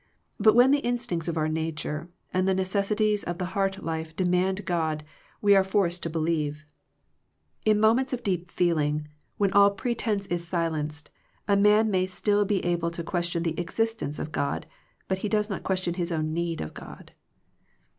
But when the instincts of our nature, and the necessi ties of the heart life demand God, we are forced to believe. In moments of 219 Digitized by VjOOQIC THE HIGHER FRIENDSHIP deep feeling, when all pretence is si lenced, a man may be still able to ques tion the existence of God, but he does not question his own need of God.